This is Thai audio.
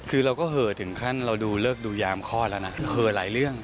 คือเราก็เหอะถึงขั้นเราดูเลิกดูยามคลอดแล้วนะเหอหลายเรื่อง